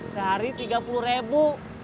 sehari tiga puluh ribu